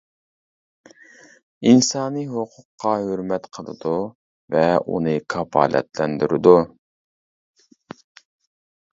ئىنسانىي ھوقۇققا ھۆرمەت قىلىدۇ ۋە ئۇنى كاپالەتلەندۈرىدۇ.